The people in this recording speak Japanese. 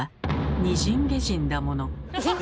「に人げ人」だもの。